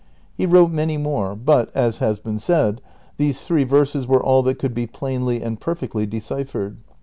He wrote many more, but, as has been said, these three verses were all that could be plainly and perfectly deciphered.